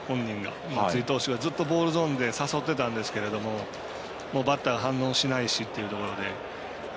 松井投手がずっとボールゾーンで誘ってたんですけどバッターが反応しないしというところで。